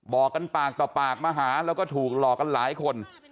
บอกกันปากต่อปากมาหาแล้วก็ถูกหลอกกันหลายคน